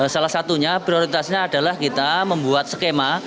salah satunya prioritasnya adalah kita membuat skema